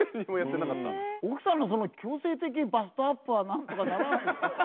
奥さんのその強制的バストアップはなんとかならんですか。